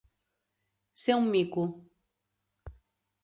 Ser un mico.